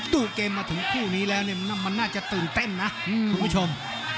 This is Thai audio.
ดูเกมมาถึงคู่นี้แล้วเนี่ยมันน่าจะตื่นเต้นนะคุณผู้ชม